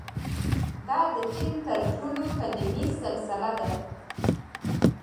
• دا د چین تر ټولو قدیمي سلسله ده.